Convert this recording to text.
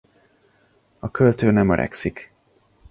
A költő nem öregszik.